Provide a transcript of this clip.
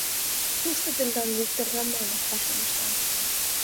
Тушто тендан Виктор Романов пашам ышта.